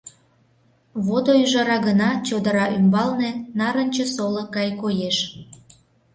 Водо ӱжара гына чодыра ӱмбалне нарынче солык гай коеш.